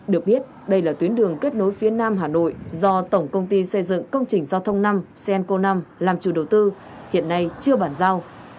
được biết đây là tuyến đường kết nối phía nam hà nội do tổng công ty xây dựng công trình giao thông năm cenco năm làm chủ đầu tư hiện nay chưa bàn giao